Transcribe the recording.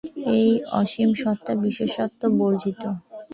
এ-অসীম সত্তা বিশেষত্ব-বর্জিত।